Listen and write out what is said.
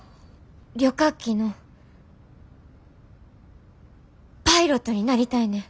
旅客機のパイロットになりたいねん。